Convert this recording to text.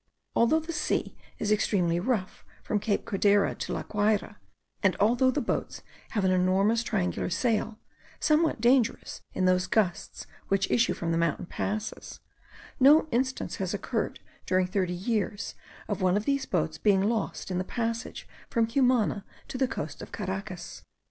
Although the sea is extremely rough from Cape Codera to La Guayra, and although the boats have an enormous triangular sail, somewhat dangerous in those gusts which issue from the mountain passes, no instance has occurred during thirty years, of one of these boats being lost in the passage from Cumana to the coast of Caracas.